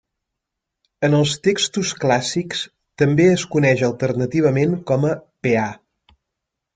En els textos clàssics també es coneix alternativament com a peà.